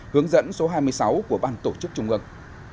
hướng dẫn số hai mươi sáu của ban tổ chức trung ương